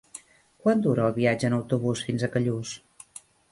Quant dura el viatge en autobús fins a Callús?